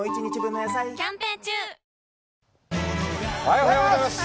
おはようございます。